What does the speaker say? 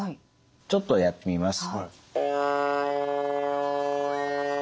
ちょっとやってみます。